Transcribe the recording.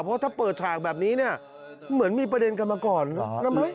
เพราะถ้าเปิดฉากแบบนี้เนี่ยเหมือนมีประเด็นกันมาก่อน